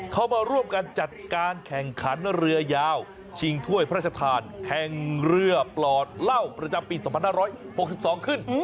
เข้ามาร่วมกันจัดการแข่งขันเรือยาวชิงถ้วยพระราชทานแข่งเรือปลอดเหล้าประจำปี๒๕๖๒ขึ้น